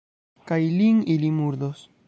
Kaj lin ili murdos!